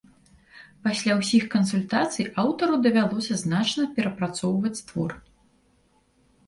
Пасля ўсіх кансультацый аўтару давялося значна перапрацоўваць твор.